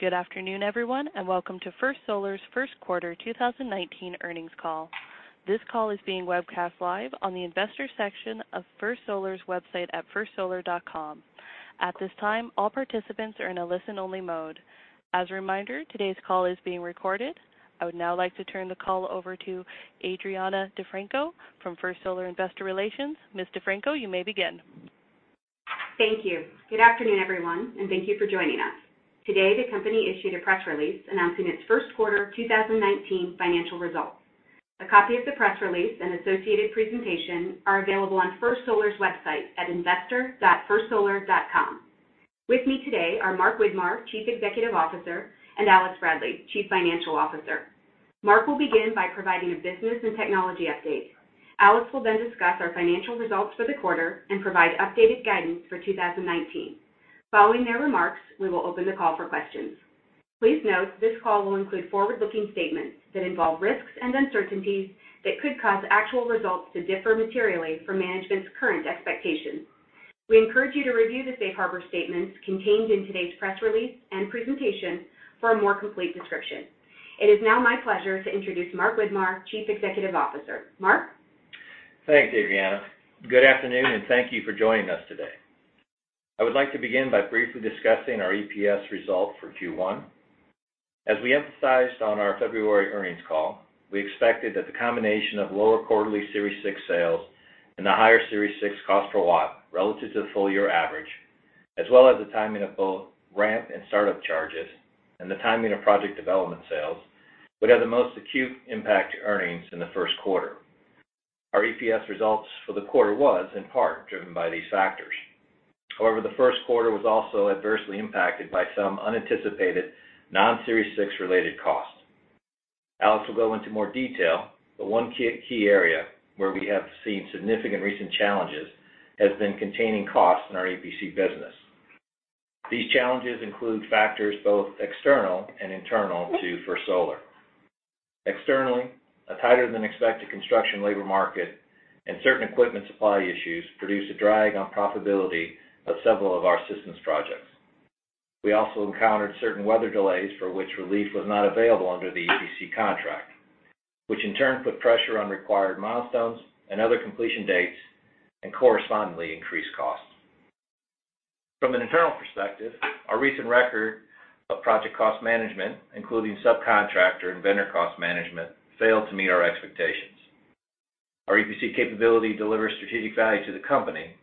Good afternoon, everyone, and welcome to First Solar's first quarter 2019 earnings call. This call is being webcast live on the Investors section of First Solar's website at firstsolar.com. At this time, all participants are in a listen-only mode. As a reminder, today's call is being recorded. I would now like to turn the call over to Adriana DeFranco from First Solar Investor Relations. Ms. DeFranco, you may begin. Thank you. Good afternoon, everyone, and thank you for joining us. Today, the company issued a press release announcing its first quarter 2019 financial results. A copy of the press release and associated presentation are available on First Solar's website at investor.firstsolar.com. With me today are Mark Widmar, Chief Executive Officer, and Alexander Bradley, Chief Financial Officer. Mark will begin by providing a business and technology update. Alex will discuss our financial results for the quarter and provide updated guidance for 2019. Following their remarks, we will open the call for questions. Please note this call will include forward-looking statements that involve risks and uncertainties that could cause actual results to differ materially from management's current expectations. We encourage you to review the safe harbor statements contained in today's press release and presentation for a more complete description. It is now my pleasure to introduce Mark Widmar, Chief Executive Officer. Mark? Thanks, Adriana. Good afternoon, and thank you for joining us today. I would like to begin by briefly discussing our EPS results for Q1. As we emphasized on our February earnings call, we expected that the combination of lower quarterly Series 6 sales and the higher Series 6 cost per watt relative to the full-year average, as well as the timing of both ramp and start-up charges, and the timing of project development sales, would have the most acute impact to earnings in the first quarter. Our EPS results for the quarter was, in part, driven by these factors. The first quarter was also adversely impacted by some unanticipated non-Series 6-related costs. Alex will go into more detail, one key area where we have seen significant recent challenges has been containing costs in our EPC business. These challenges include factors both external and internal to First Solar. Externally, a tighter-than-expected construction labor market and certain equipment supply issues produced a drag on profitability of several of our systems projects. We also encountered certain weather delays for which relief was not available under the EPC contract, which in turn put pressure on required milestones and other completion dates, and correspondingly, increased costs. From an internal perspective, our recent record of project cost management, including subcontractor and vendor cost management, failed to meet our expectations. Our EPC capability delivers strategic value to the company.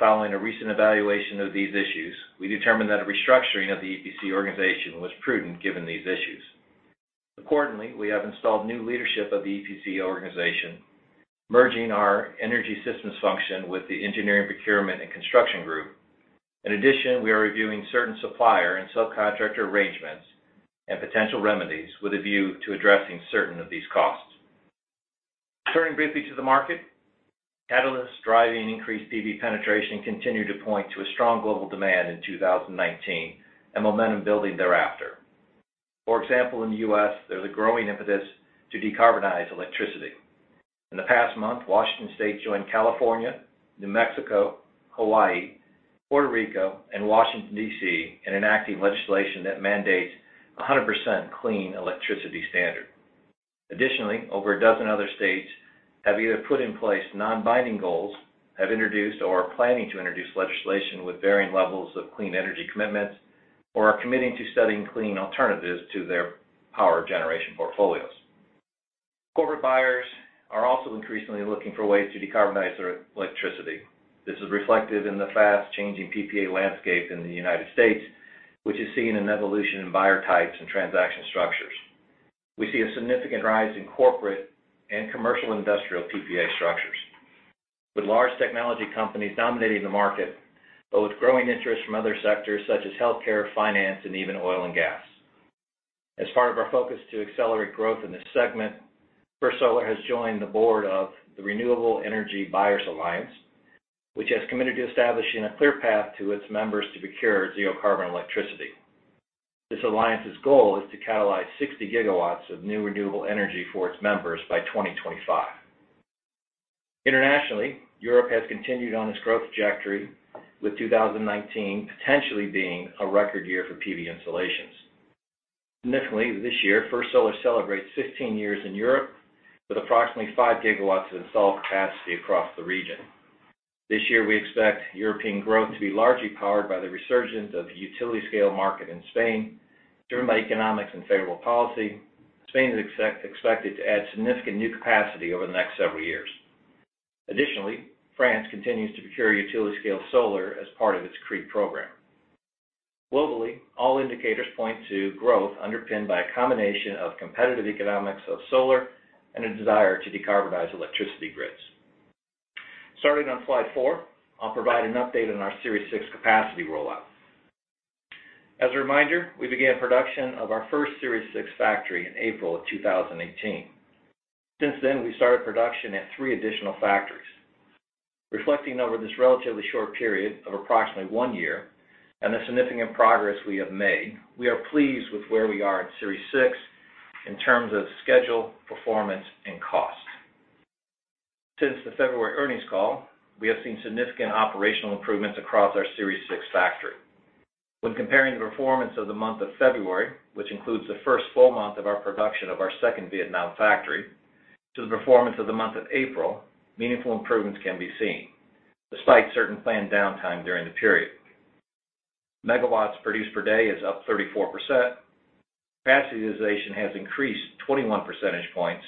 Following a recent evaluation of these issues, we determined that a restructuring of the EPC organization was prudent given these issues. Accordingly, we have installed new leadership of the EPC organization, merging our energy systems function with the engineering procurement and construction group. In addition, we are reviewing certain supplier and subcontractor arrangements and potential remedies with a view to addressing certain of these costs. Turning briefly to the market, catalysts driving increased PV penetration continue to point to a strong global demand in 2019 and momentum building thereafter. For example, in the U.S., there's a growing impetus to decarbonize electricity. In the past month, Washington State joined California, New Mexico, Hawaii, Puerto Rico, and Washington, D.C., in enacting legislation that mandates 100% clean electricity standard. Additionally, over a dozen other states have either put in place non-binding goals, have introduced or are planning to introduce legislation with varying levels of clean energy commitments, or are committing to studying clean alternatives to their power generation portfolios. Corporate buyers are also increasingly looking for ways to decarbonize their electricity. This is reflected in the fast-changing PPA landscape in the United States, which is seeing an evolution in buyer types and transaction structures. We see a significant rise in corporate and commercial industrial PPA structures, with large technology companies dominating the market, but with growing interest from other sectors such as healthcare, finance, and even oil and gas. As part of our focus to accelerate growth in this segment, First Solar has joined the board of the Renewable Energy Buyers Alliance, which has committed to establishing a clear path to its members to procure zero-carbon electricity. This alliance's goal is to catalyze 60 gigawatts of new renewable energy for its members by 2025. Internationally, Europe has continued on its growth trajectory, with 2019 potentially being a record year for PV installations. Additionally, this year, First Solar celebrates 15 years in Europe with approximately 5 gigawatts of installed capacity across the region. This year, we expect European growth to be largely powered by the resurgence of the utility scale market in Spain. Driven by economics and favorable policy, Spain is expected to add significant new capacity over the next several years. Additionally, France continues to procure utility scale solar as part of its CRE program. Globally, all indicators point to growth underpinned by a combination of competitive economics of solar and a desire to decarbonize electricity grids. Starting on slide four, I'll provide an update on our Series 6 capacity rollout. As a reminder, we began production of our first Series 6 factory in April of 2018. Since then, we started production at three additional factories. Reflecting over this relatively short period of approximately one year and the significant progress we have made, we are pleased with where we are at Series 6 in terms of schedule, performance, and cost. Since the February earnings call, we have seen significant operational improvements across our Series 6 factory. When comparing the performance of the month of February, which includes the first full month of our production of our second Vietnam factory, to the performance of the month of April, meaningful improvements can be seen despite certain planned downtime during the period. Megawatts produced per day is up 34%. Capacity utilization has increased 21 percentage points.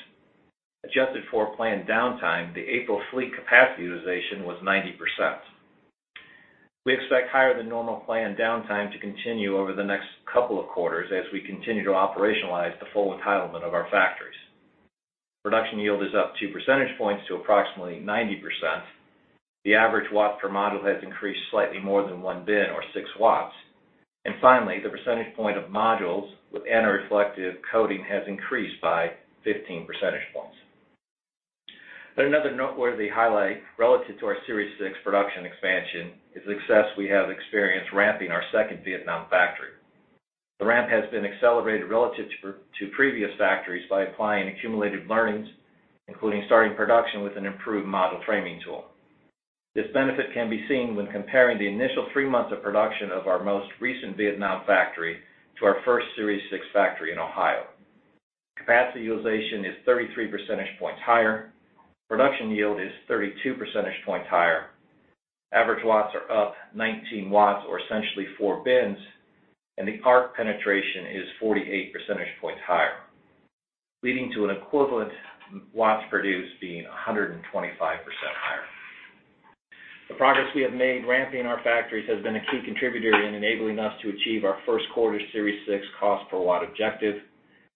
Adjusted for planned downtime, the April fleet capacity utilization was 90%. We expect higher than normal planned downtime to continue over the next couple of quarters as we continue to operationalize the full entitlement of our factories. Production yield is up two percentage points to approximately 90%. The average watt per module has increased slightly more than one bin or six watts. Finally, the percentage point of modules with anti-reflective coating has increased by 15 percentage points. Another noteworthy highlight relative to our Series 6 production expansion is the success we have experienced ramping our second Vietnam factory. The ramp has been accelerated relative to previous factories by applying accumulated learnings, including starting production with an improved module framing tool. This benefit can be seen when comparing the initial three months of production of our most recent Vietnam factory to our first Series 6 factory in Ohio. Capacity utilization is 33 percentage points higher. Production yield is 32 percentage points higher. Average watts are up 19 watts or essentially four bins, and the ARC penetration is 48 percentage points higher, leading to an equivalent watts produced being 125% higher. The progress we have made ramping our factories has been a key contributor in enabling us to achieve our first quarter Series 6 cost per watt objective.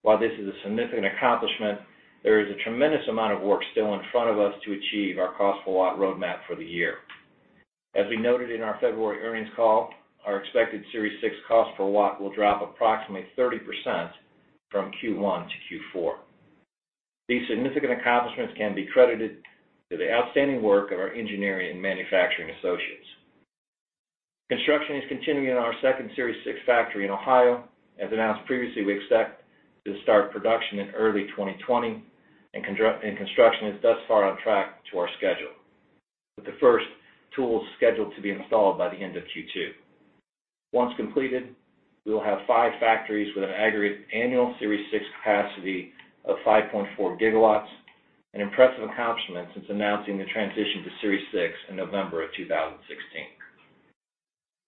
While this is a significant accomplishment, there is a tremendous amount of work still in front of us to achieve our cost per watt roadmap for the year. As we noted in our February earnings call, our expected Series 6 cost per watt will drop approximately 30% from Q1 to Q4. These significant accomplishments can be credited to the outstanding work of our engineering and manufacturing associates. Construction is continuing on our second Series 6 factory in Ohio. As announced previously, we expect to start production in early 2020. Construction is thus far on track to our schedule, with the first tools scheduled to be installed by the end of Q2. Once completed, we will have five factories with an aggregate annual Series 6 capacity of 5.4 gigawatts, an impressive accomplishment since announcing the transition to Series 6 in November of 2016.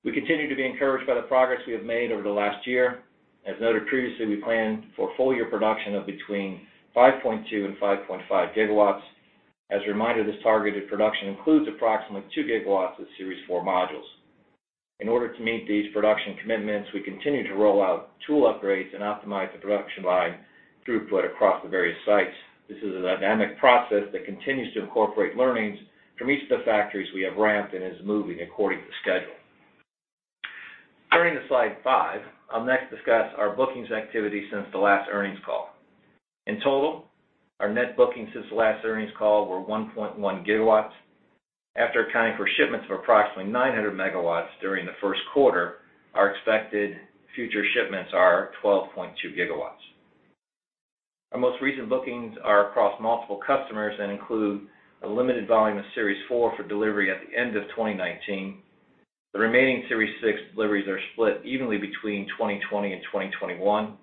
We continue to be encouraged by the progress we have made over the last year. As noted previously, we plan for full year production of between 5.2 and 5.5 gigawatts. As a reminder, this targeted production includes approximately two gigawatts of Series 4 modules. In order to meet these production commitments, we continue to roll out tool upgrades and optimize the production line throughput across the various sites. This is a dynamic process that continues to incorporate learnings from each of the factories we have ramped and is moving according to schedule. Turning to slide five, I'll next discuss our bookings activity since the last earnings call. In total, our net bookings since the last earnings call were 1.1 gigawatts. After accounting for shipments of approximately 900 megawatts during the first quarter, our expected future shipments are 12.2 gigawatts. Our most recent bookings are across multiple customers and include a limited volume of Series 4 for delivery at the end of 2019. The remaining Series 6 deliveries are split evenly between 2020 and 2021.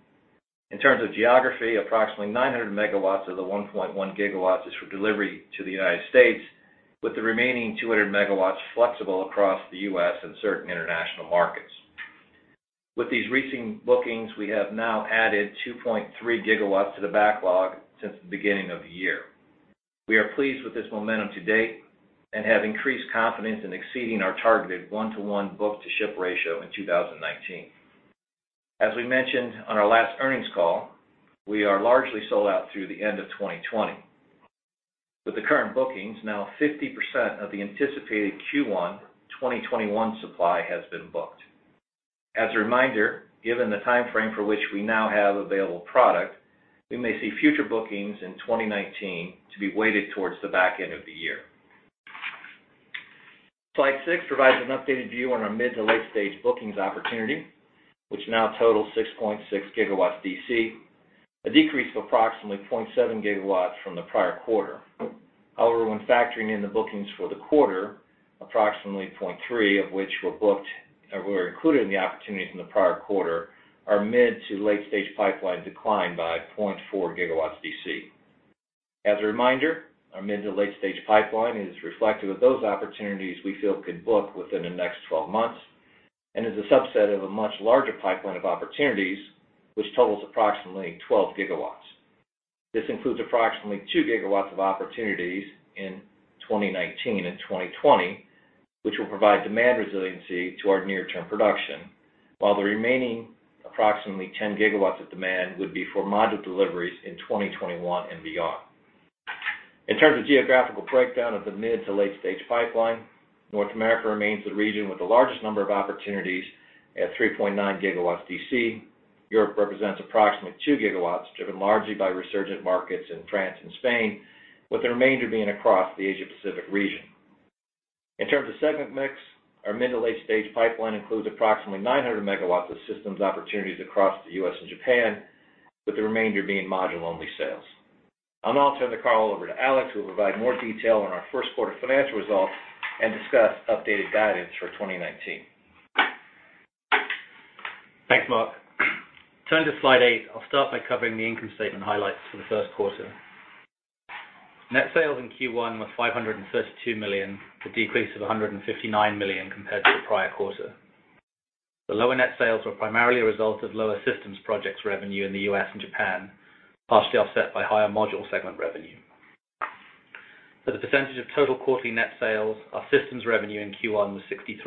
In terms of geography, approximately 900 megawatts of the 1.1 gigawatts is for delivery to the U.S., with the remaining 200 megawatts flexible across the U.S. and certain international markets. With these recent bookings, we have now added 2.3 gigawatts to the backlog since the beginning of the year. We are pleased with this momentum to date and have increased confidence in exceeding our targeted one-to-one book-to-ship ratio in 2019. As we mentioned on our last earnings call, we are largely sold out through the end of 2020. With the current bookings, now 50% of the anticipated Q1 2021 supply has been booked. As a reminder, given the time frame for which we now have available product, we may see future bookings in 2019 to be weighted towards the back end of the year. Slide six provides an updated view on our mid to late-stage bookings opportunity, which now totals 6.6 gigawatts DC, a decrease of approximately 0.7 gigawatts from the prior quarter. When factoring in the bookings for the quarter, approximately 0.3 of which were included in the opportunities in the prior quarter, our mid to late-stage pipeline declined by 0.4 gigawatts DC. As a reminder, our mid to late-stage pipeline is reflective of those opportunities we feel could book within the next 12 months and is a subset of a much larger pipeline of opportunities which totals approximately 12 gigawatts. This includes approximately two gigawatts of opportunities in 2019 and 2020, which will provide demand resiliency to our near-term production, while the remaining approximately 10 gigawatts of demand would be for module deliveries in 2021 and beyond. In terms of geographical breakdown of the mid to late-stage pipeline, North America remains the region with the largest number of opportunities at 3.9 gigawatts DC. Europe represents approximately two gigawatts, driven largely by resurgent markets in France and Spain, with the remainder being across the Asia-Pacific region. In terms of segment mix, our mid to late-stage pipeline includes approximately 900 megawatts of systems opportunities across the U.S. and Japan, with the remainder being module-only sales. I'll now turn the call over to Alex, who will provide more detail on our first quarter financial results and discuss updated guidance for 2019. Thanks, Mark. Turning to slide eight, I will start by covering the income statement highlights for the first quarter. Net sales in Q1 were $532 million, a decrease of $159 million compared to the prior quarter. The lower net sales were primarily a result of lower systems projects revenue in the U.S. and Japan, partially offset by higher module segment revenue. As a percentage of total quarterly net sales, our systems revenue in Q1 was 63%,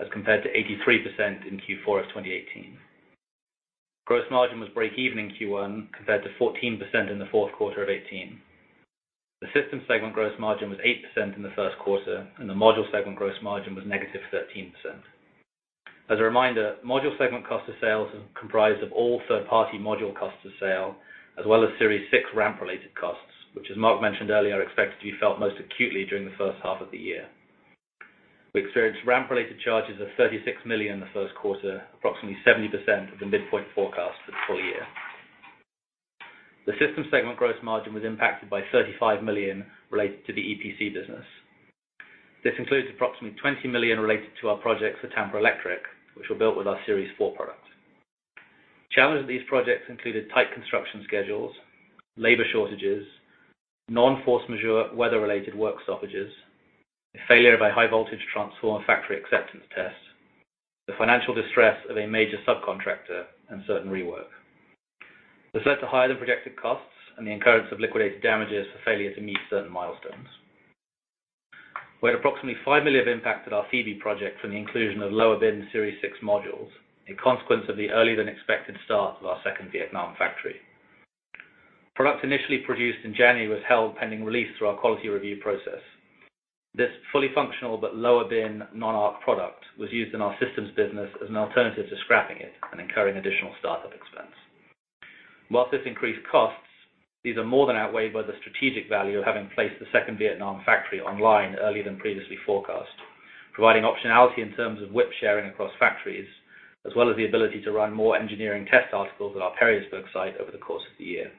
as compared to 83% in Q4 of 2018. Gross margin was breakeven in Q1 compared to 14% in the fourth quarter of 2018. The systems segment gross margin was 8% in the first quarter, and the module segment gross margin was negative 13%. As a reminder, module segment cost of sales is comprised of all third-party module costs of sale, as well as Series 6 ramp-related costs, which as Mark mentioned earlier, are expected to be felt most acutely during the first half of the year. We experienced ramp-related charges of $36 million in the first quarter, approximately 70% of the midpoint forecast for the full year. The systems segment gross margin was impacted by $35 million related to the EPC business. This includes approximately $20 million related to our projects for Tampa Electric, which were built with our Series 4 product. Challenges of these projects included tight construction schedules, labor shortages, non-force majeure weather-related work stoppages, a failure of a high voltage transformer factory acceptance test, the financial distress of a major subcontractor, and certain rework. This led to higher-than-projected costs and the incurrence of liquidated damages for failure to meet certain milestones. We had approximately $5 million of impact at our PV project from the inclusion of lower bin Series 6 modules, a consequence of the earlier-than-expected start of our second Vietnam factory. Products initially produced in January was held pending release through our quality review process. This fully functional but lower bin non-ARC product was used in our systems business as an alternative to scrapping it and incurring additional start-up expense. Whilst this increased costs, these are more than outweighed by the strategic value of having placed the second Vietnam factory online earlier than previously forecast, providing optionality in terms of WIP sharing across factories, as well as the ability to run more engineering test articles at our Perrysburg site over the course of the year.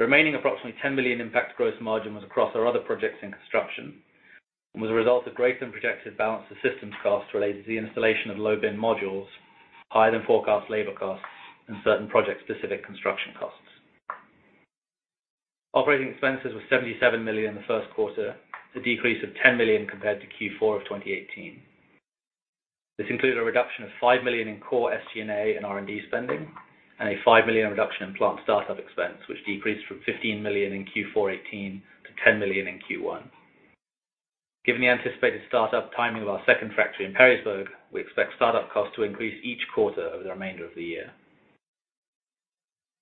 The remaining approximately $10 million impact gross margin was across our other projects in construction and was a result of greater-than-projected balance of systems costs related to the installation of low-bin modules, higher-than-forecast labor costs, and certain project-specific construction costs. Operating expenses were $77 million in the first quarter, a decrease of $10 million compared to Q4 of 2018. This included a reduction of $5 million in core SG&A and R&D spending and a $5 million reduction in plant start-up expense, which decreased from $15 million in Q4 2018 to $10 million in Q1. Given the anticipated start-up timing of our second factory in Perrysburg, we expect start-up costs to increase each quarter over the remainder of the year.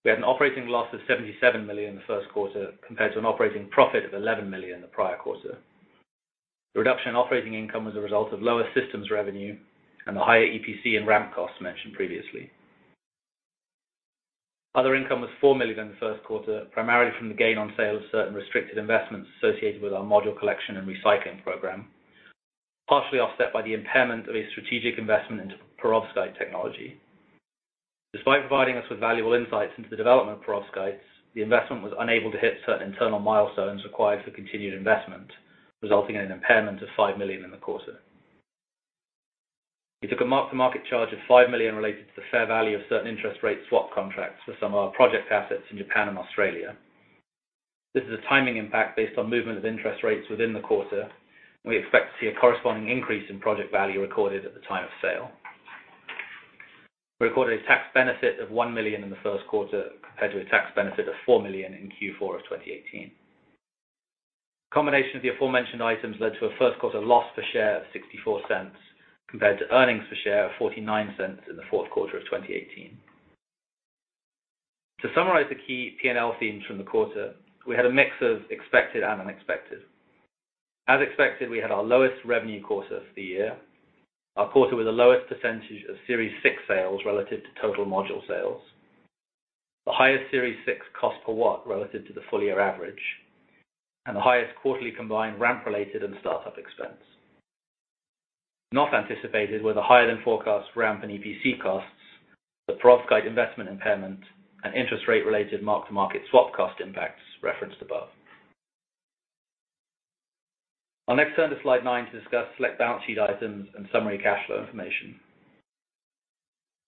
We had an operating loss of $77 million the first quarter compared to an operating profit of $11 million the prior quarter. The reduction in operating income was a result of lower systems revenue and the higher EPC and ramp costs mentioned previously. Other income was $4 million in the first quarter, primarily from the gain on sale of certain restricted investments associated with our module collection and recycling program, partially offset by the impairment of a strategic investment into perovskite technology. Despite providing us with valuable insights into the development of perovskites, the investment was unable to hit certain internal milestones required for continued investment, resulting in an impairment of $5 million in the quarter. We took a mark-to-market charge of $5 million related to the fair value of certain interest rate swap contracts for some of our project assets in Japan and Australia. This is a timing impact based on movement of interest rates within the quarter. We expect to see a corresponding increase in project value recorded at the time of sale. We recorded a tax benefit of $1 million in the first quarter compared to a tax benefit of $4 million in Q4 of 2018. A combination of the aforementioned items led to a first quarter loss per share of $0.64 compared to earnings per share of $0.49 in the fourth quarter of 2018. To summarize the key P&L themes from the quarter, we had a mix of expected and unexpected. As expected, we had our lowest revenue quarter for the year, our quarter with the lowest percentage of Series 6 sales relative to total module sales, the highest Series 6 cost per watt relative to the full-year average, and the highest quarterly combined ramp-related and start-up expense. Not anticipated were the higher-than-forecast ramp and EPC costs, the perovskite investment impairment, and interest rate-related mark-to-market swap cost impacts referenced above. I'll next turn to slide nine to discuss select balance sheet items and summary cash flow information.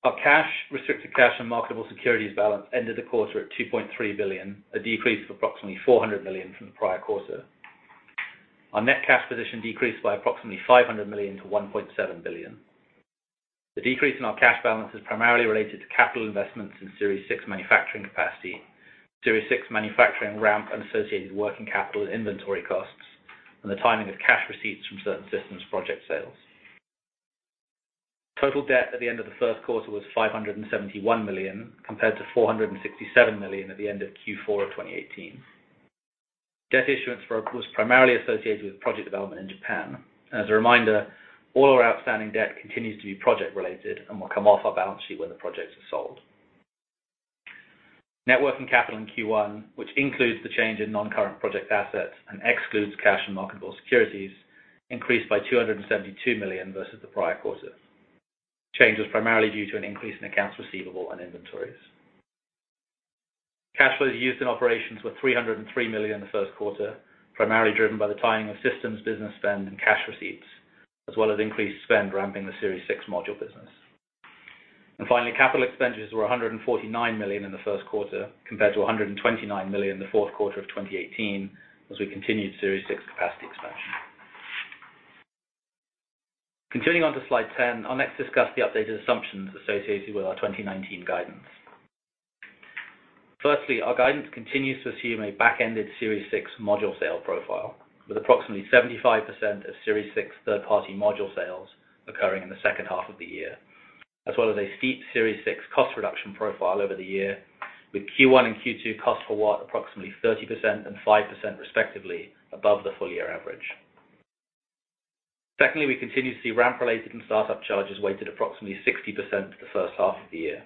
Our cash, restricted cash, and marketable securities balance ended the quarter at $2.3 billion, a decrease of approximately $400 million from the prior quarter. Our net cash position decreased by approximately $500 million to $1.7 billion. The decrease in our cash balance is primarily related to capital investments in Series 6 manufacturing capacity, Series 6 manufacturing ramp and associated working capital and inventory costs, and the timing of cash receipts from certain systems project sales. Total debt at the end of the first quarter was $571 million, compared to $467 million at the end of Q4 of 2018. Debt issuance was primarily associated with project development in Japan. As a reminder, all our outstanding debt continues to be project-related and will come off our balance sheet when the projects are sold. Net working capital in Q1, which includes the change in non-current project assets and excludes cash and marketable securities, increased by $272 million versus the prior quarter. Change was primarily due to an increase in accounts receivable on inventories. Cash flows used in operations were $303 million the first quarter, primarily driven by the timing of systems, business spend, and cash receipts, as well as increased spend ramping the Series 6 module business. Finally, capital expenditures were $149 million in the first quarter compared to $129 million in the fourth quarter of 2018, as we continued Series 6 capacity expansion. Continuing on to slide 10, I'll next discuss the updated assumptions associated with our 2019 guidance. Firstly, our guidance continues to assume a back-ended Series 6 module sale profile with approximately 75% of Series 6 third-party module sales occurring in the second half of the year, as well as a steep Series 6 cost reduction profile over the year with Q1 and Q2 cost per watt approximately 30% and 5% respectively above the full-year average. Secondly, we continue to see ramp-related and start-up charges weighted approximately 60% for the first half of the year.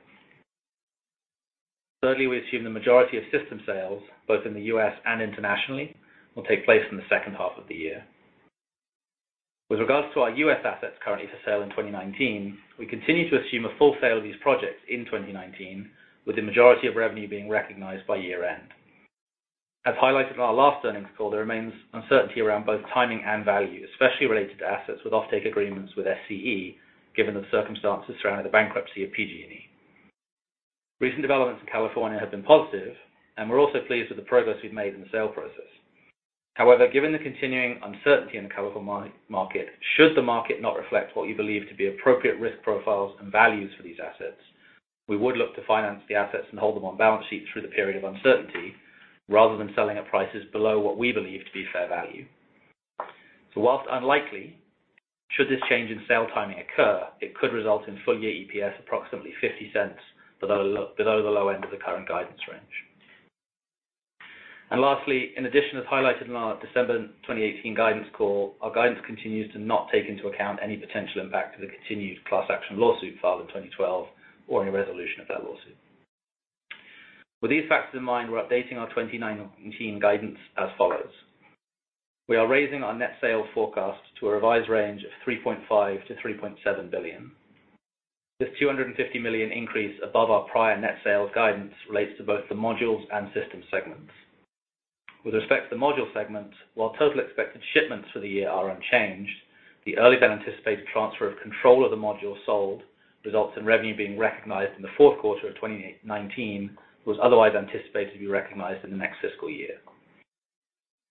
Thirdly, we assume the majority of system sales, both in the U.S. and internationally, will take place in the second half of the year. With regards to our U.S. assets currently for sale in 2019, we continue to assume a full sale of these projects in 2019, with the majority of revenue being recognized by year-end. As highlighted in our last earnings call, there remains uncertainty around both timing and value, especially related to assets with offtake agreements with SCE, given the circumstances surrounding the bankruptcy of PG&E. Recent developments in California have been positive. We are also pleased with the progress we've made in the sale process. Given the continuing uncertainty in the California market, should the market not reflect what we believe to be appropriate risk profiles and values for these assets, we would look to finance the assets and hold them on balance sheets through the period of uncertainty rather than selling at prices below what we believe to be fair value. Whilst unlikely, should this change in sale timing occur, it could result in full-year EPS approximately $0.50 below the low end of the current guidance range. Lastly, in addition, as highlighted in our December 2018 guidance call, our guidance continues to not take into account any potential impact of the continued class action lawsuit filed in 2012 or any resolution of that lawsuit. With these factors in mind, we are updating our 2019 guidance as follows. We are raising our net sales forecast to a revised range of $3.5 billion-$3.7 billion. This $250 million increase above our prior net sales guidance relates to both the modules and systems segments. With respect to the module segment, while total expected shipments for the year are unchanged, the earlier than anticipated transfer of control of the modules sold results in revenue being recognized in the fourth quarter of 2019, was otherwise anticipated to be recognized in the next fiscal year.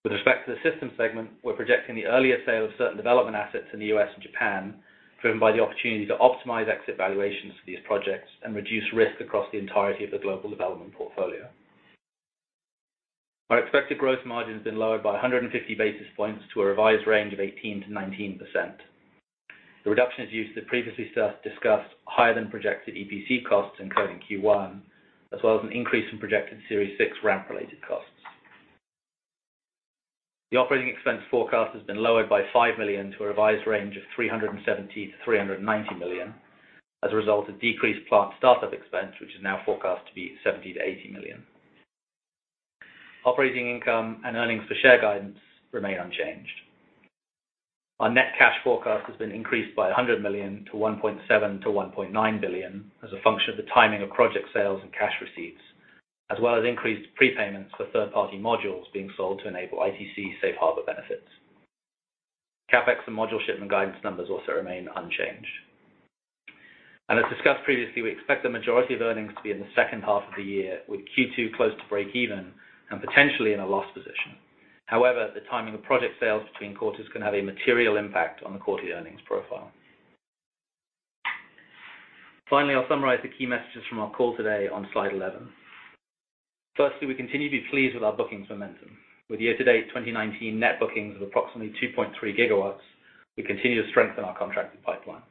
With respect to the systems segment, we are projecting the earlier sale of certain development assets in the U.S. and Japan, driven by the opportunity to optimize exit valuations for these projects and reduce risk across the entirety of the global development portfolio. Our expected growth margin has been lowered by 150 basis points to a revised range of 18%-19%. The reduction is due to the previously discussed higher than projected EPC costs incurred in Q1, as well as an increase in projected Series 6 ramp-related costs. The operating expense forecast has been lowered by $5 million to a revised range of $370 million-$390 million as a result of decreased plant start-up expense, which is now forecast to be $70 million-$80 million. Operating income and earnings per share guidance remain unchanged. Our net cash forecast has been increased by $100 million to $1.7 billion-$1.9 billion as a function of the timing of project sales and cash receipts, as well as increased prepayments for third-party modules being sold to enable ITC safe harbor benefits. CapEx and module shipment guidance numbers also remain unchanged. As discussed previously, we expect the majority of earnings to be in the second half of the year, with Q2 close to breakeven and potentially in a loss position. However, the timing of project sales between quarters can have a material impact on the quarterly earnings profile. Finally, I'll summarize the key messages from our call today on slide 11. Firstly, we continue to be pleased with our bookings momentum. With year-to-date 2019 net bookings of approximately 2.3 gigawatts, we continue to strengthen our contracted pipeline.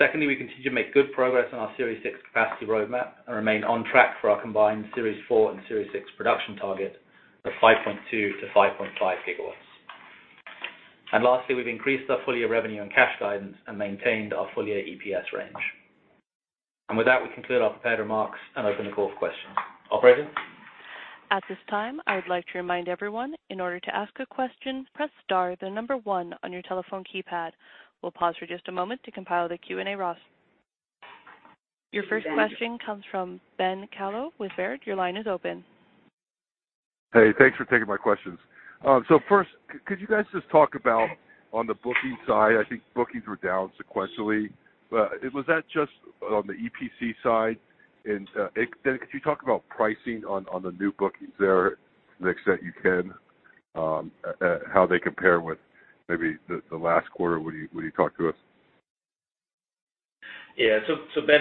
Secondly, we continue to make good progress on our Series 6 capacity roadmap and remain on track for our combined Series 4 and Series 6 production target of 5.2-5.5 gigawatts. Lastly, we've increased our full-year revenue and cash guidance and maintained our full-year EPS range. With that, we conclude our prepared remarks and open the call for questions. Operator? At this time, I would like to remind everyone, in order to ask a question, press star then the number one on your telephone keypad. We'll pause for just a moment to compile the Q&A roster. Your first question comes from Ben Kallo with Baird. Your line is open. Hey, thanks for taking my questions. First, could you guys just talk about on the booking side, I think bookings were down sequentially. Was that just on the EPC side? Then could you talk about pricing on the new bookings there to the extent you can, how they compare with maybe the last quarter, when you talked to us? Ben,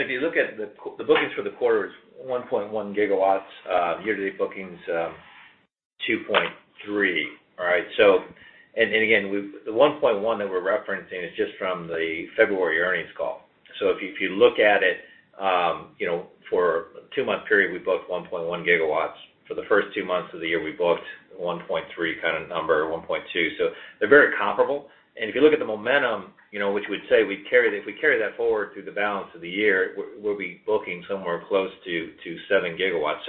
if you look at the bookings for the quarter is 1.1 gigawatts. Year-to-date bookings, 2.3. All right? Again, the 1.1 that we're referencing is just from the February earnings call. If you look at it, for a two-month period, we booked 1.1 gigawatts. For the first two months of the year, we booked a 1.3 kind of number, 1.2. They're very comparable. If you look at the momentum, which we'd say if we carry that forward through the balance of the year, we'll be booking somewhere close to seven gigawatts.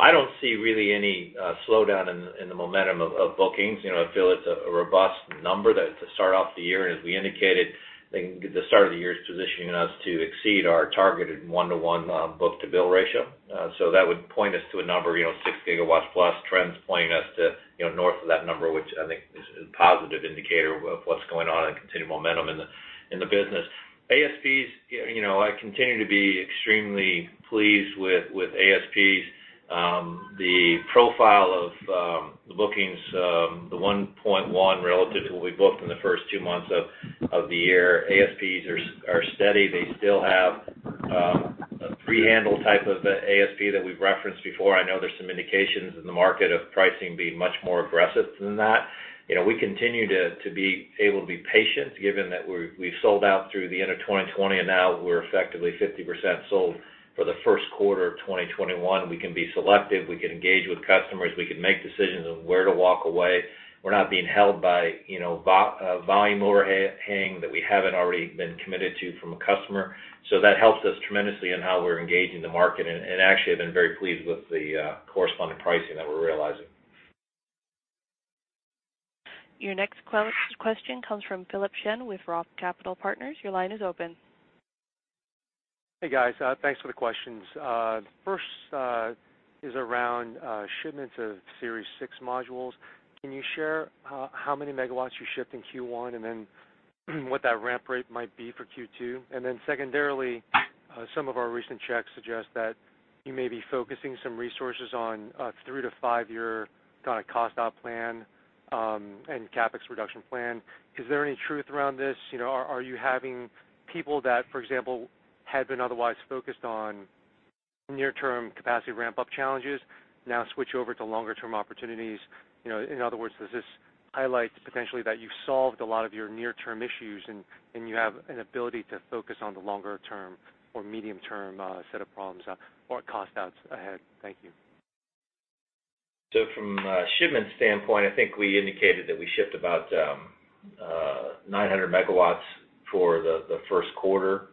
I don't see really any slowdown in the momentum of bookings. I feel it's a robust number to start off the year. As we indicated, the start of the year is positioning us to exceed our targeted one-to-one book-to-bill ratio. That would point us to a number, six gigawatts plus. Trend's pointing us to north of that number, which I think is a positive indicator of what's going on and continued momentum in the business. ASPs, I continue to be extremely pleased with ASPs. The profile of the bookings, the 1.1 relative to what we booked in the first two months of the year. ASPs are steady. They still have a free handle type of ASP that we've referenced before. I know there's some indications in the market of pricing being much more aggressive than that. We continue to be able to be patient given that we've sold out through the end of 2020, and now we're effectively 50% sold for the first quarter of 2021. We can be selective. We can engage with customers. We can make decisions on where to walk away. We're not being held by volume overhang that we haven't already been committed to from a customer. That helps us tremendously in how we're engaging the market. Actually, I've been very pleased with the corresponding pricing that we're realizing. Your next question comes from Philip Shen with Roth Capital Partners. Your line is open. Hey, guys. Thanks for the questions. First is around shipments of Series 6 modules. Can you share how many megawatts you shipped in Q1, and what that ramp rate might be for Q2? Secondarily, some of our recent checks suggest that you may be focusing some resources on a three- to five-year kind of cost-out plan and CapEx reduction plan. Is there any truth around this? Are you having people that, for example, had been otherwise focused on near-term capacity ramp-up challenges now switch over to longer-term opportunities? In other words, does this highlight potentially that you've solved a lot of your near-term issues, and you have an ability to focus on the longer-term or medium-term set of problems or cost-outs ahead? Thank you. From a shipment standpoint, I think we indicated that we shipped about 900 megawatts for the first quarter.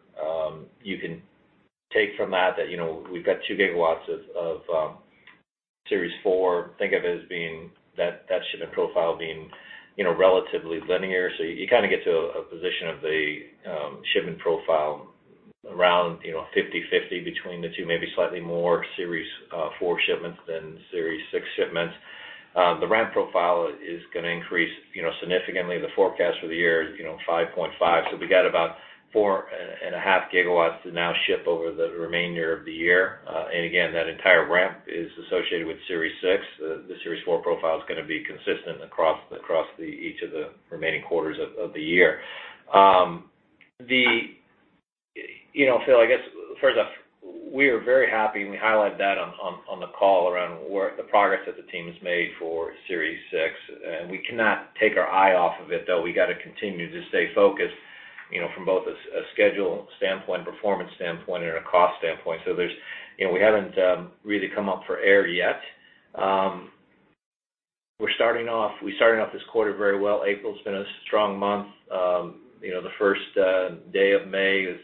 You can take from that that we've got 2 gigawatts of Series 4. Think of that shipment profile being relatively linear. You kind of get to a position of the shipment profile around 50/50 between the two, maybe slightly more Series 4 shipments than Series 6 shipments. The ramp profile is going to increase significantly. The forecast for the year is 5.5. We've got about 4.5 gigawatts to now ship over the remainder of the year. Again, that entire ramp is associated with Series 6. The Series 4 profile is going to be consistent across each of the remaining quarters of the year. Phil, I guess, first off, we are very happy, and we highlight that on the call around the progress that the team has made for Series 6. We cannot take our eye off of it, though. We got to continue to stay focused from both a schedule standpoint, performance standpoint, and a cost standpoint. We haven't really come up for air yet. We're starting off this quarter very well. April's been a strong month. The first day of May has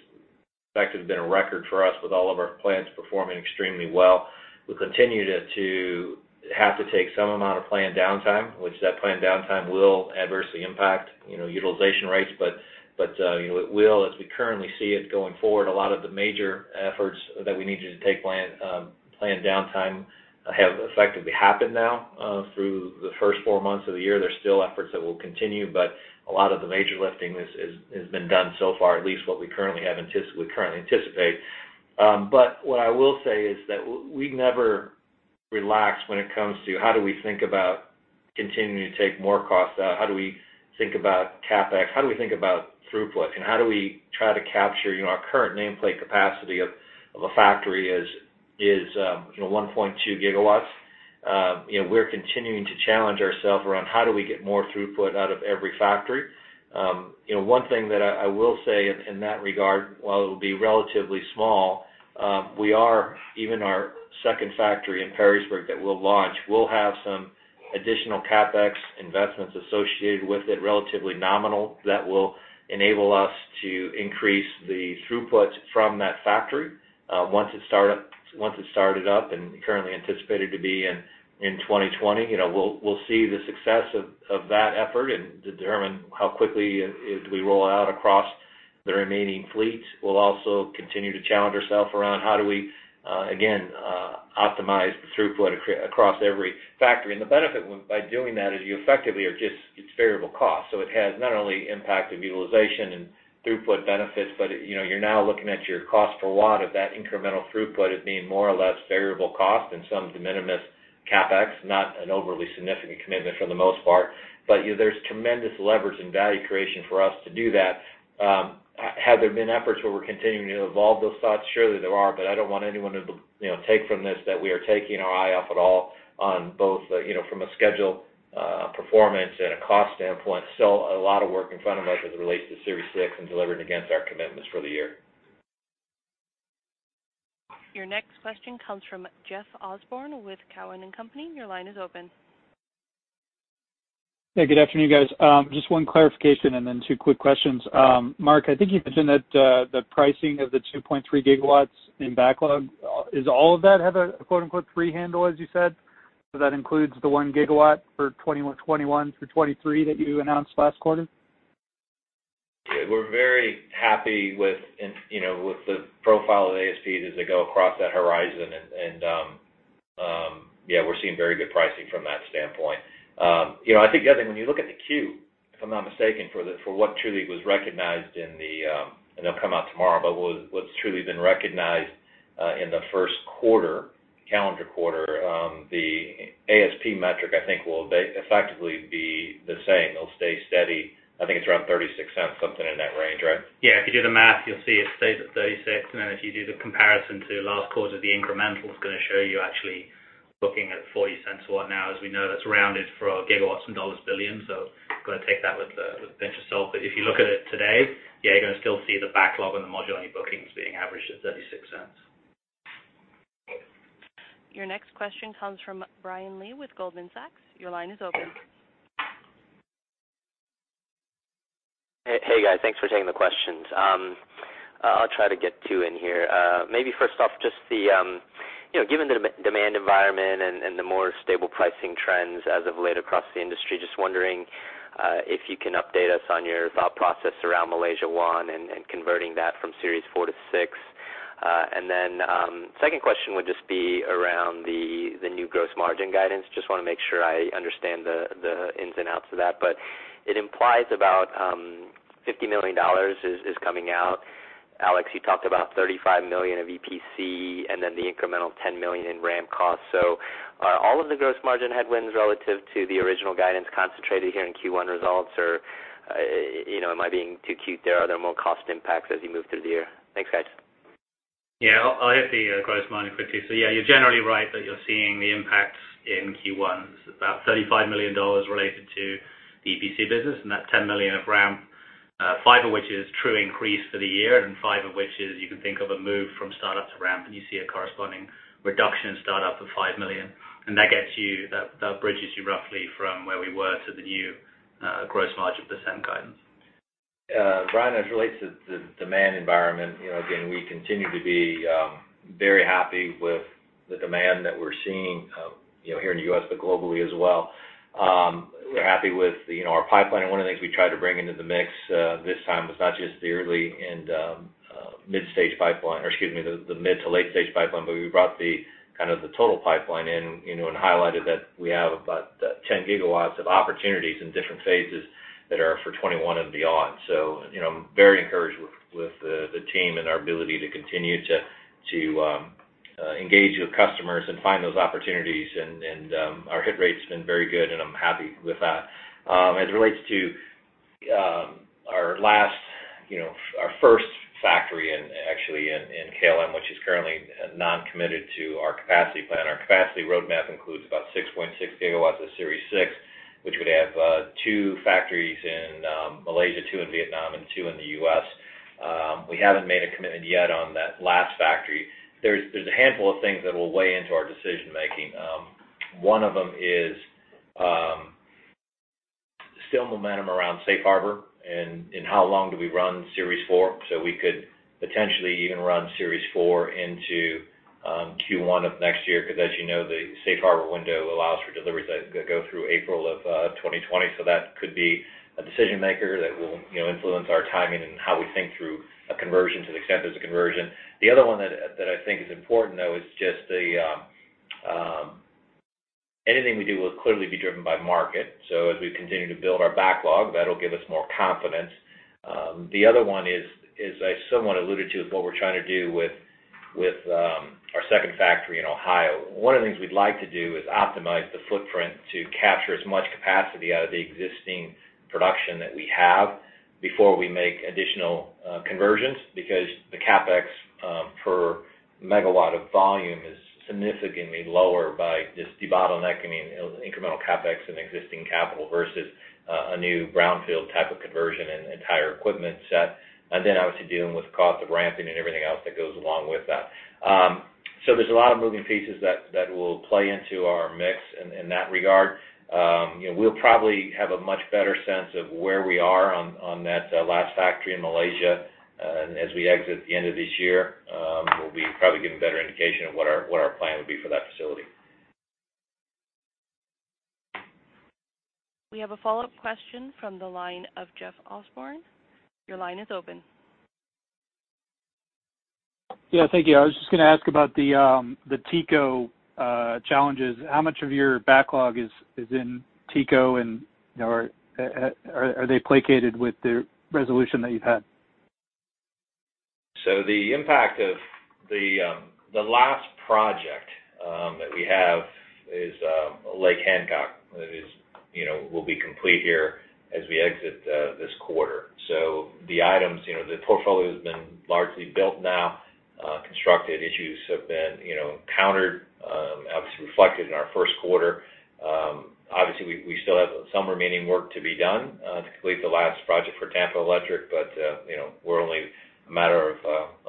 effectively been a record for us with all of our plants performing extremely well. We continue to have to take some amount of planned downtime, which that planned downtime will adversely impact utilization rates. As we currently see it going forward, a lot of the major efforts that we needed to take planned downtime have effectively happened now through the first four months of the year. There's still efforts that will continue, but a lot of the major lifting has been done so far, at least what we currently anticipate. What I will say is that we never relax when it comes to how do we think about continuing to take more costs out. How do we think about CapEx? How do we think about throughput? How do we try to capture our current nameplate capacity of a factory is 1.2 gigawatts. We're continuing to challenge ourselves around how do we get more throughput out of every factory. One thing that I will say in that regard, while it will be relatively small, even our second factory in Perrysburg that we'll launch will have some additional CapEx investments associated with it, relatively nominal, that will enable us to increase the throughput from that factory once it's started up, and currently anticipated to be in 2020. We'll see the success of that effort and determine how quickly we roll out across the remaining fleet. We'll also continue to challenge ourself around how do we, again, optimize throughput across every factory. The benefit by doing that is it's variable cost. It has not only impacted utilization and throughput benefits, but you're now looking at your cost per watt of that incremental throughput as being more or less variable cost and some de minimis CapEx, not an overly significant commitment for the most part. There's tremendous leverage and value creation for us to do that. Have there been efforts where we're continuing to evolve those thoughts? Surely there are, but I don't want anyone to take from this that we are taking our eye off at all on both from a schedule performance and a cost standpoint. Still a lot of work in front of us as it relates to Series 6 and delivering against our commitments for the year. Your next question comes from Jeff Osborne with Cowen and Company. Your line is open. Hey, good afternoon, guys. Just one clarification and then two quick questions. Mark, I think you mentioned that the pricing of the 2.3 gigawatts in backlog, is all of that have a quote-unquote "free handle," as you said? That includes the one gigawatt for 2021-2023 that you announced last quarter? Yeah. We're very happy with the profile of ASPs as they go across that horizon, yeah, we're seeing very good pricing from that standpoint. I think, again, when you look at the queue, if I'm not mistaken, for what truly was recognized. It'll come out tomorrow, but what's truly been recognized in the first calendar quarter, the ASP metric, I think will effectively be the same. It'll stay steady. I think it's around $0.36, something in that range, right? Yeah. If you do the math, you'll see it stays at $0.36. If you do the comparison to last quarter, the incremental is going to show you actually booking at $0.40 a watt now. As we know, that's rounded for our gigawatts in dollars billion. Got to take that with a pinch of salt. If you look at it today, yeah, you're going to still see the backlog and the module and bookings being averaged at $0.36. Your next question comes from Brian Lee with Goldman Sachs. Your line is open. Hey, guys. Thanks for taking the questions. I'll try to get two in here. First off, given the demand environment and the more stable pricing trends as of late across the industry, just wondering if you can update us on your thought process around Malaysia One and converting that from Series 4 to Series 6. Second question would just be around the new gross margin guidance. Just want to make sure I understand the ins and outs of that. It implies about $50 million is coming out. Alex, you talked about $35 million of EPC and then the incremental $10 million in ramp costs. Are all of the gross margin headwinds relative to the original guidance concentrated here in Q1 results, or am I being too cute there? Are there more cost impacts as you move through the year? Thanks, guys. Yeah, I'll hit the gross margin quickly. Yeah, you're generally right that you're seeing the impacts in Q1. It's about $35 million related to the EPC business and that $10 million of ramp, five of which is true increase for the year, and five of which is you can think of a move from start-up to ramp, and you see a corresponding reduction in start-up of $5 million. That bridges you roughly from where we were to the new gross margin % guidance. Brian, as it relates to the demand environment, again, we continue to be very happy with the demand that we're seeing here in the U.S., but globally as well. We're happy with our pipeline. One of the things we tried to bring into the mix this time was not just the mid to late-stage pipeline, but we brought the total pipeline in and highlighted that we have about 10 gigawatts of opportunities in different phases that are for 2021 and beyond. I'm very encouraged with the team and our ability to continue to engage with customers and find those opportunities. Our hit rate's been very good, and I'm happy with that. As it relates to our first factory, actually in Kulim, which is currently non-committed to our capacity plan. Our capacity roadmap includes about 6.6 gigawatts of Series 6, which would have two factories in Malaysia, two in Vietnam, and two in the U.S. We haven't made a commitment yet on that last factory. There's a handful of things that will weigh into our decision-making. One of them is still momentum around safe harbor and how long do we run Series 4. We could potentially even run Series 4 into Q1 of next year because as you know, the safe harbor window allows for deliveries that go through April of 2020. That could be a decision-maker that will influence our timing and how we think through a conversion to the extent there's a conversion. The other one that I think is important, though, is just anything we do will clearly be driven by market. As we continue to build our backlog, that'll give us more confidence. The other one is I somewhat alluded to, is what we're trying to do with our second factory in Ohio. One of the things we'd like to do is optimize the footprint to capture as much capacity out of the existing production that we have before we make additional conversions, because the CapEx per megawatt of volume is significantly lower by just debottlenecking incremental CapEx and existing capital versus a new brownfield type of conversion and entire equipment set. Obviously dealing with cost of ramping and everything else that goes along with that. There's a lot of moving pieces that will play into our mix in that regard. We'll probably have a much better sense of where we are on that last factory in Malaysia as we exit the end of this year. We'll be probably giving a better indication of what our plan would be for that facility. We have a follow-up question from the line of Jeff Osborne. Your line is open. Thank you. I was just going to ask about the TECO challenges. How much of your backlog is in TECO, and are they placated with the resolution that you've had? The impact of the last project that we have is Lake Hancock. That will be complete here as we exit this quarter. The items, the portfolio's been largely built now, constructed, issues have been countered, obviously reflected in our first quarter. Obviously, we still have some remaining work to be done to complete the last project for Tampa Electric, we're only a matter of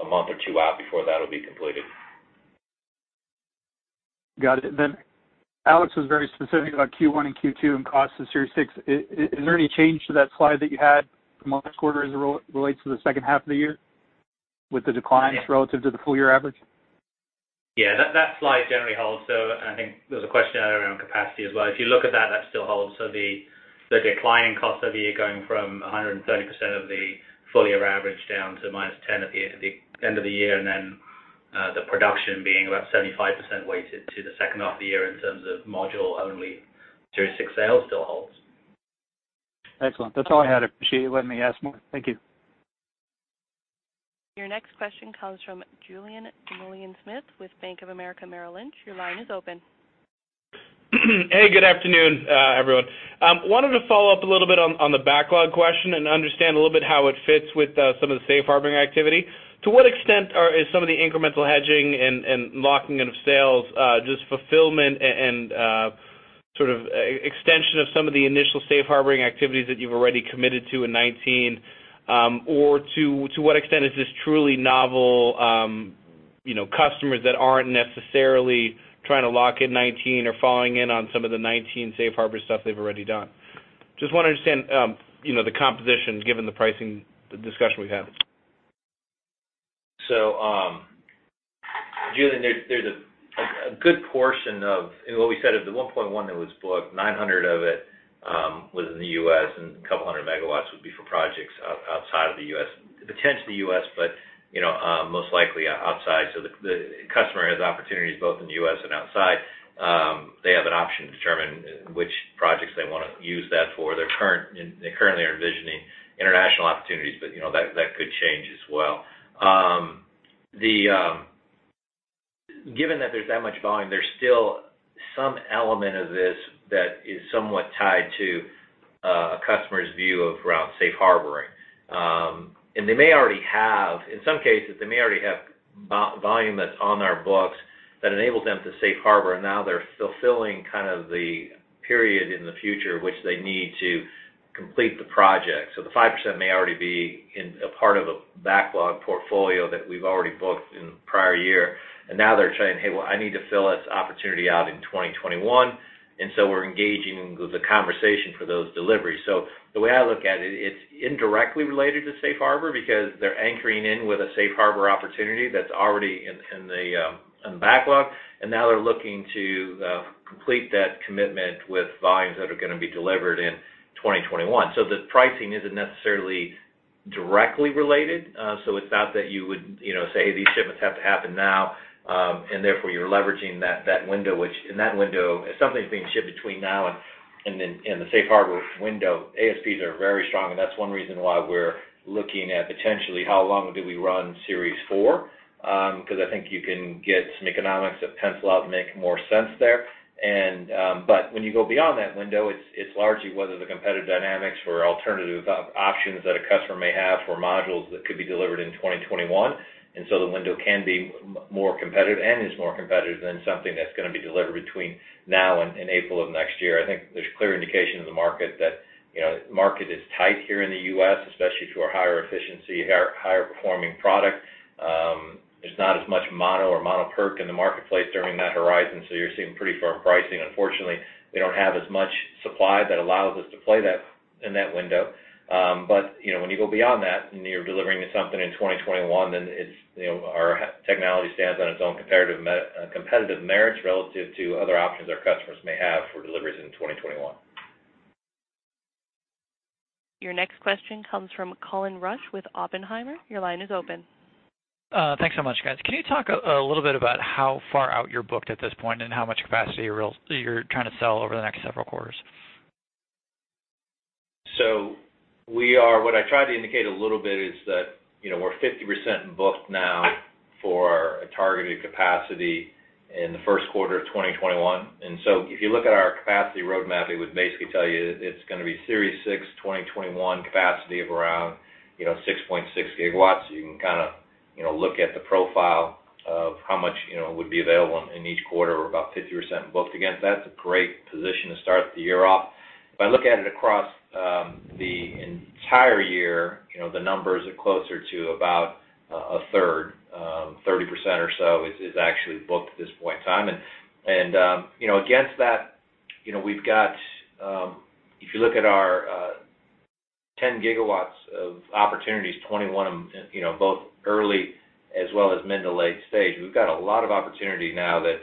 a month or two out before that'll be completed. Got it. Alex was very specific about Q1 and Q2 and cost of Series 6. Is there any change to that slide that you had from last quarter as it relates to the second half of the year with the declines relative to the full-year average? Yeah. That slide generally holds. I think there was a question earlier around capacity as well. If you look at that still holds. The declining cost of the year going from 130% of the full-year average down to -10% at the end of the year, the production being about 75% weighted to the second half of the year in terms of module-only Series 6 sales still holds. Excellent. That's all I had. Appreciate you letting me ask more. Thank you. Your next question comes from Julien Dumoulin-Smith with Bank of America Merrill Lynch. Your line is open. Hey, good afternoon, everyone. Wanted to follow up a little bit on the backlog question and understand a little bit how it fits with some of the safe harboring activity. To what extent is some of the incremental hedging and locking in of sales just fulfillment and extension of some of the initial safe harboring activities that you've already committed to in 2019? Or to what extent is this truly novel customers that aren't necessarily trying to lock in 2019 or falling in on some of the 2019 safe harbor stuff they've already done? Just want to understand the composition given the pricing, the discussion we've had. Julien, there's a good portion of what we said of the 1.1 MW that was booked, 900 MW of it was in the U.S., and a couple hundred megawatts would be for projects outside of the U.S. Potentially U.S., but most likely outside. The customer has opportunities both in the U.S. and outside. They have an option to determine which projects they want to use that for. They currently are envisioning international opportunities, but that could change as well. Given that there's that much volume, there's still some element of this that is somewhat tied to a customer's view of safe harboring. In some cases, they may already have volume that's on their books that enables them to safe harbor, and now they're fulfilling kind of the period in the future which they need to complete the project. The 5% may already be a part of a backlog portfolio that we've already booked in the prior year, and now they're saying, "Hey, well, I need to fill this opportunity out in 2021." We're engaging in the conversation for those deliveries. The way I look at it's indirectly related to safe harbor because they're anchoring in with a safe harbor opportunity that's already in the backlog. Now they're looking to complete that commitment with volumes that are going to be delivered in 2021. The pricing isn't necessarily directly related. It's not that you would say these shipments have to happen now, and therefore you're leveraging that window. If something's being shipped between now and the safe harbor window, ASPs are very strong, and that's one reason why we're looking at potentially how long do we run Series 4, because I think you can get some economics that pencil out and make more sense there. When you go beyond that window, it's largely whether the competitive dynamics for alternative options that a customer may have for modules that could be delivered in 2021. The window can be more competitive and is more competitive than something that's going to be delivered between now and April of next year. I think there's clear indication in the market that the market is tight here in the U.S., especially to our higher efficiency, higher performing product. There's not as much mono or mono PERC in the marketplace during that horizon, you're seeing pretty firm pricing. Unfortunately, we don't have as much supply that allows us to play in that window. When you go beyond that and you're delivering something in 2021, our technology stands on its own competitive merits relative to other options our customers may have for deliveries in 2021. Your next question comes from Colin Rusch with Oppenheimer. Your line is open. Thanks so much, guys. Can you talk a little bit about how far out you're booked at this point, and how much capacity you're trying to sell over the next several quarters? What I tried to indicate a little bit is that we're 50% booked now for a targeted capacity in the first quarter of 2021. If you look at our capacity roadmap, it would basically tell you it's going to be Series 6 2021 capacity of around 6.6 gigawatts. You can kind of look at the profile of how much would be available in each quarter. We're about 50% booked against that. It's a great position to start the year off. If I look at it across the entire year, the numbers are closer to about a third. 30% or so is actually booked at this point in time. Against that, if you look at our 10 gigawatts of opportunities, 21 of them both early as well as mid to late-stage, we've got a lot of opportunity now that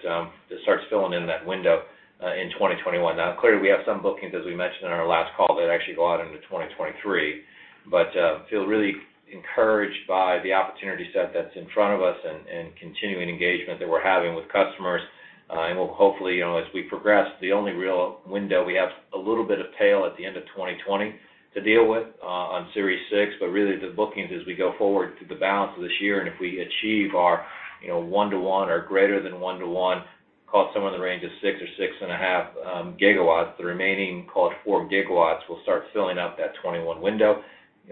starts filling in that window in 2021. Now clearly, we have some bookings, as we mentioned in our last call, that actually go out into 2023. Feel really encouraged by the opportunity set that's in front of us and continuing engagement that we're having with customers. We'll hopefully, as we progress, the only real window we have a little bit of tail at the end of 2020 to deal with on Series 6. Really the bookings as we go forward through the balance of this year, and if we achieve our one-to-one or greater than one-to-one, call it somewhere in the range of six or six and a half gigawatts, the remaining call it four gigawatts will start filling up that 2021 window.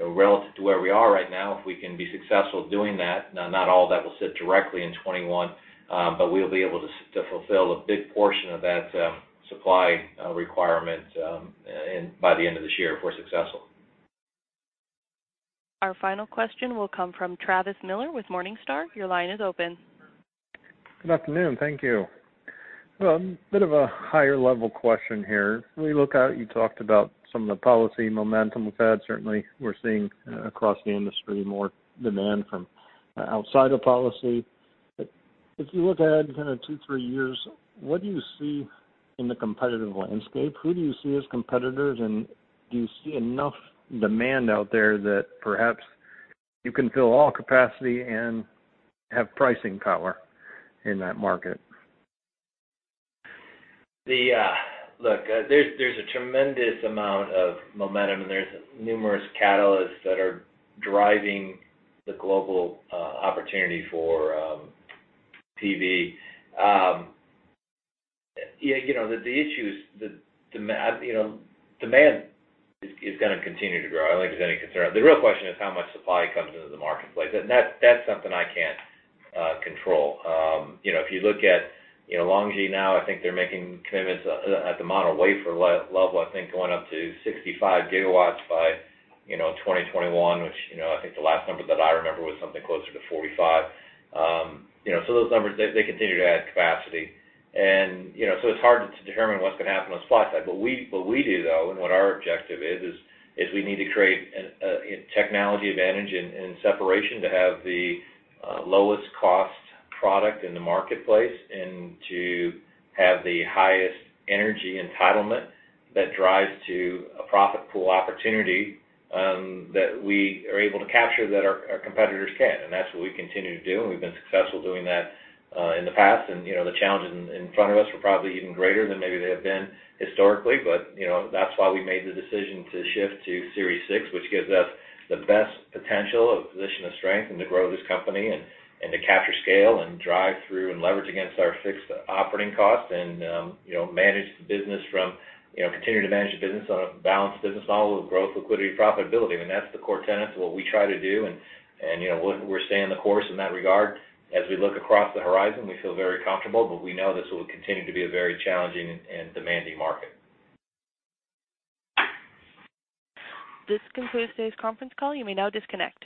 Relative to where we are right now, if we can be successful doing that, not all that will sit directly in 2021, but we'll be able to fulfill a big portion of that supply requirement by the end of this year, if we're successful. Our final question will come from Travis Miller with Morningstar. Your line is open. Good afternoon. Thank you. A bit of a higher-level question here. When you look out, you talked about some of the policy momentum we've had. Certainly, we're seeing across the industry more demand from outside of policy. If you look ahead kind of two, three years, what do you see in the competitive landscape? Who do you see as competitors, and do you see enough demand out there that perhaps you can fill all capacity and have pricing power in that market? Look, there's a tremendous amount of momentum, and there's numerous catalysts that are driving the global opportunity for PV. Demand is going to continue to grow. I don't think there's any concern. The real question is how much supply comes into the marketplace, and that's something I can't control. If you look at LONGi now, I think they're making commitments at the mono wafer level, I think going up to 65 GW by 2021, which I think the last number that I remember was something closer to 45. Those numbers, they continue to add capacity. It's hard to determine what's going to happen on the supply side. What we do, though, and what our objective is we need to create a technology advantage and separation to have the lowest cost product in the marketplace and to have the highest energy entitlement that drives to a profit pool opportunity that we are able to capture that our competitors can't. That's what we continue to do, and we've been successful doing that in the past. The challenges in front of us were probably even greater than maybe they have been historically. That's why we made the decision to shift to Series 6, which gives us the best potential, a position of strength, and to grow this company and to capture scale and drive through and leverage against our fixed operating costs and continue to manage the business on a balanced business model with growth, liquidity, profitability. I mean, that's the core tenets of what we try to do, and we're staying the course in that regard. As we look across the horizon, we feel very comfortable, but we know this will continue to be a very challenging and demanding market. This concludes today's conference call. You may now disconnect.